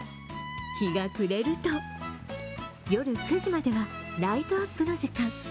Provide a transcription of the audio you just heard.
日が暮れると、夜９時まではライトアップの時間。